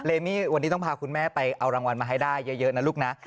มี่วันนี้ต้องพาคุณแม่ไปเอารางวัลมาให้ได้เยอะนะลูกนะ